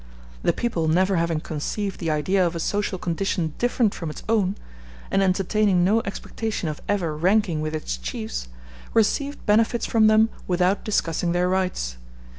The people never having conceived the idea of a social condition different from its own, and entertaining no expectation of ever ranking with its chiefs, received benefits from them without discussing their rights.